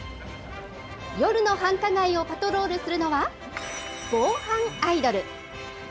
夜の繁華街をパトロールするのは、防犯アイドル。